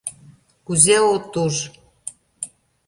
— Кузе от уж...